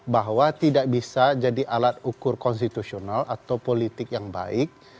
bahwa tidak bisa jadi alat ukur konstitusional atau politik yang baik